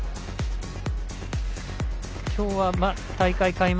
きょうは大会開幕